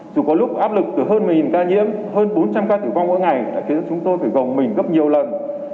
dù có lúc áp lực từ hơn một mươi ca nhiễm hơn bốn trăm linh ca tử vong mỗi ngày đã khiến chúng tôi phải gồng mình gấp nhiều lần